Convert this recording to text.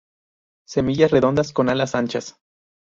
Semillas redondas con alas anchas.